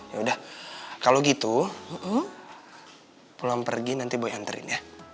yaudah kalau gitu pulang pergi nanti boy anterin ya